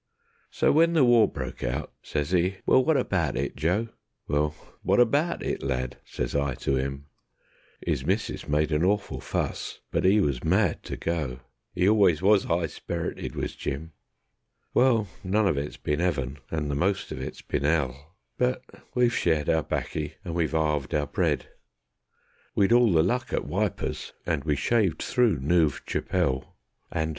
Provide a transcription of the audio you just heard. So when the war broke out, sez 'e: "Well, wot abaht it, Joe?" "Well, wot abaht it, lad?" sez I to 'im. 'Is missis made a awful fuss, but 'e was mad to go, ('E always was 'igh sperrited was Jim). Well, none of it's been 'eaven, and the most of it's been 'ell, But we've shared our baccy, and we've 'alved our bread. We'd all the luck at Wipers, and we shaved through Noove Chapelle, And